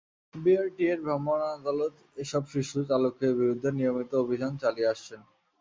বিআরটিএর ভ্রাম্যমাণ আদালত এসব শিশু চালকের বিরুদ্ধে নিয়মিত অভিযান চালিয়ে আসছেন।